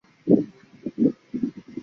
耶涯大坝则位在此镇。